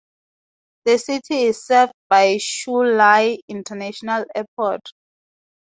The city is served by Chu Lai International Airport.